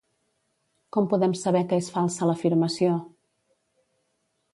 Com podem saber que és falsa l'afirmació?